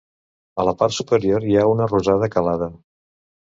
A la part superior hi ha una rosada calada.